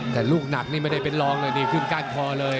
แต่ลูกหนักนี่ไม่ได้เป็นรองเลยนี่ขึ้นก้านคอเลย